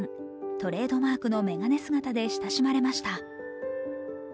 トレードマークの眼鏡姿で親しまれました。